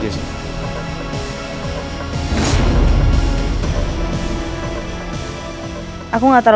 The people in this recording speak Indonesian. sekarang rasanya dia bangun rambutnya